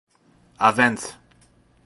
Avent.